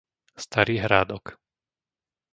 Starý Hrádok